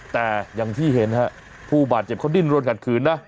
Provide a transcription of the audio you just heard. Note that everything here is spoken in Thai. แต่อย่างที่เห็นฮะผู้บาดเจ็บเขาดิ้นรวนขัดขืนนะ